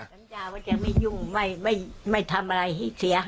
สัญญาว่าจะไม่ยุ่งไม่ทำอะไรให้เสีย